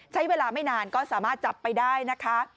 ใช้เวลาไม่นานก็สามารถจับไปได้นะคะ